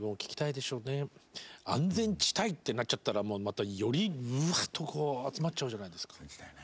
安全地帯ってなっちゃったらまたよりうわっとこう集まっちゃうじゃないですか。